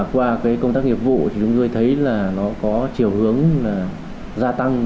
qua công tác nghiệp vụ chúng tôi thấy nó có chiều hướng gia tăng